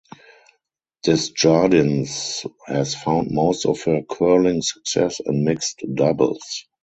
Desjardins has found most of her curling success in mixed doubles.